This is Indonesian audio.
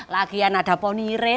lagian ada ponirin